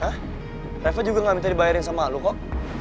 hah reva juga gak minta dibayarin sama lo kok